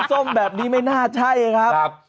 ส้มแบบนี้ไม่น่าใช่ครับ